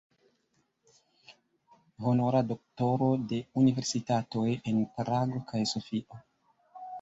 Honora doktoro de universitatoj en Prago kaj Sofio.